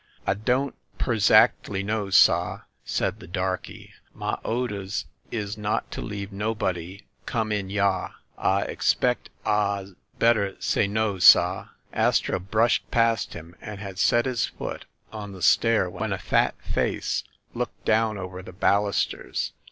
"Ah, don't perzactly know, sah," said the darky. "Mah o'ders is not to leave nobody, come in yah. Ah expect Ah'd better say no, sah." Astro brushed past him and had set his foot on the stair, when a fat face looked down over the balusters.